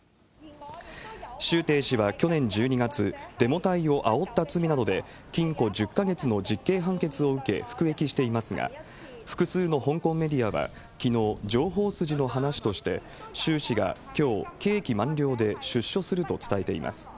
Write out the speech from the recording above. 周庭氏は去年１２月、デモ隊をあおった罪などで禁錮１０か月の実刑判決を受け、服役していますが、複数の香港メディアは、きのう、情報筋の話として、周氏がきょう、刑期満了で出所すると伝えています。